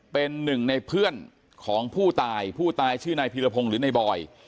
เป็นหนึ่งในเพื่อนของผู้ตายผู้ตายชื่อนายพีรพงศ์หรือในบอย